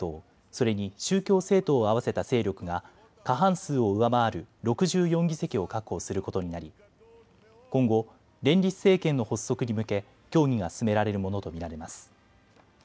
それに宗教政党を合わせた勢力が過半数を上回る６４議席を確保することになり、今後、連立政権の発足に向け協議が進められるものと見られます。